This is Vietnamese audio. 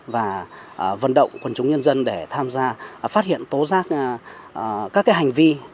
và vận động quần chúng nhân dân để tham gia phát hiện tố giác các hành vi